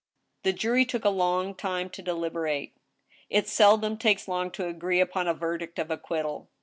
The jury took a long time to deliberate. It seldom takes long to agree upon a verdict of acquittal.